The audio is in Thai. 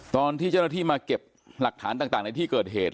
ตอนที่เจ้าหน้าที่มาเก็บหลักฐานต่างในที่เกิดเหตุ